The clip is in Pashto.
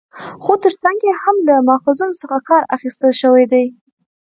خو تر څنګ يې هم له ماخذونو څخه کار اخستل شوى دى